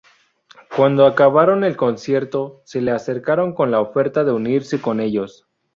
Cuando acabaron el concierto se le acercaron con la oferta de unirse con ellos.